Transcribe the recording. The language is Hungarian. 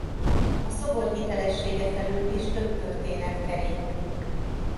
A szobor hitelessége felől is több történet kering.